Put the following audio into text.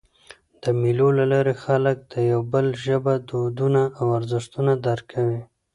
د مېلو له لاري خلک د یو بل ژبه، دودونه او ارزښتونه درک کوي.